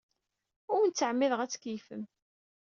Ur awen-ttɛemmideɣ ad tkeyyfem.